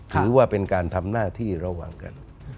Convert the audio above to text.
ถือว่าเป็นการทำหน้าที่ระหว่างกัน